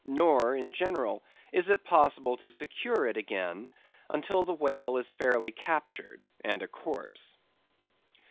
Nor, in general, is it possible to secure it again until the whale is fairly captured and a corpse.